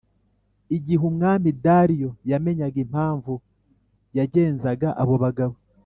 Igihe Umwami Dariyo yamenyaga impamvu yagenzaga abobagabo